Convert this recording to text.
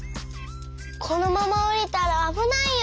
このままおりたらあぶないよ！